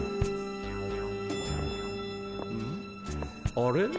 あれ？